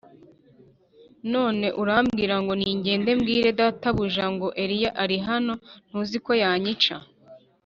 None urambwira ngo ningende mbwire databuja ngo Eliya ari hano, ntuzi ko yanyica?”